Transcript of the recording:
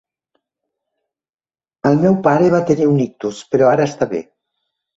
El meu pare va tenir un ictus, però ara està bé.